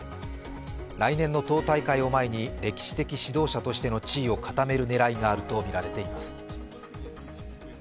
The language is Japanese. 来年の党大会を前に歴史的指導者としての地位を固める狙いがあるとみられています。